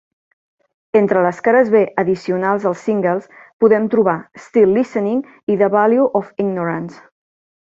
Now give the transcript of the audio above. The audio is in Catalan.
Entre les cares B addicionals dels singles, podem trobar "Still Listening" i "The Value of Ignorance".